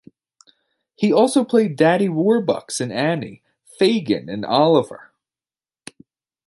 He also played Daddy Warbucks in "Annie", Fagin in "Oliver!